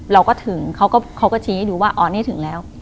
เราก็ถึงเขาก็ชี้ให้ดูว่าอ๋อนี่ถึงแล้ว